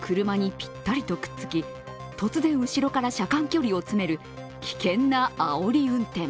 車にぴったりとくっつき突然後ろから車間距離を詰める危険なあおり運転。